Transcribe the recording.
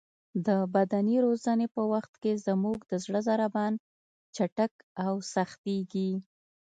د بدني روزنې په وخت کې زموږ د زړه ضربان چټک او سختېږي.